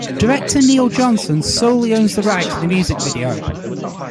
Director Neil Johnson solely owns the rights to the music video.